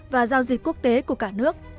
và giao dịch quốc tế của cả nước